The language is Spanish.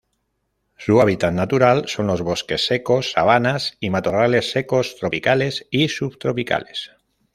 Su hábitat natural son los bosques secos, sabanas y matorrales secos tropicales y subtropicales.